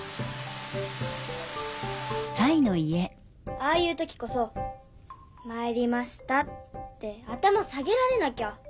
ああいう時こそ「まいりました」って頭下げられなきゃ。